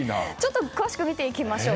詳しくて見ていきましょう。